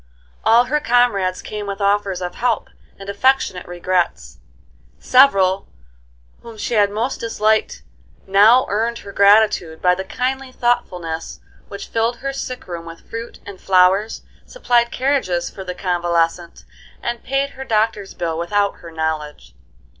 All her comrades came with offers of help and affectionate regrets. Several whom she had most disliked now earned her gratitude by the kindly thoughtfulness which filled her sick room with fruit and flowers, supplied carriages for the convalescent, and paid her doctor's bill without her knowledge.